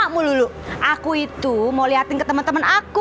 aku itu mau liatin ke temen temen aku